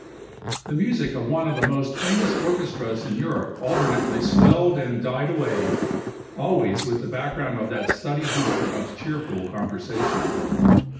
The music of one of the most famous orchestras in Europe alternately swelled and died away, always with the background of that steady hum of cheerful conversation.